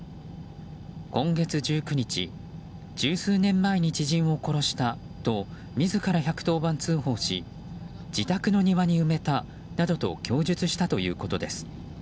今月１９日十数年前に知人を殺したと自ら１１０番通報し自宅の庭に埋めたなどと供述したということです。